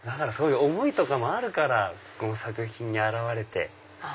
そういう思いとかもあるからこの作品に表れて。